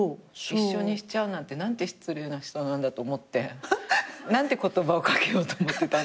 一緒にしちゃうなんて何て失礼な人なんだと思って何て言葉を掛けようと思ってたんだけど。